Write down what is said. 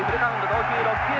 投球６球目。